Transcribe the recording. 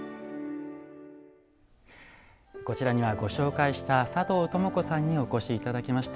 こちらには、ご紹介した佐藤朋子さんにお越しいただきました。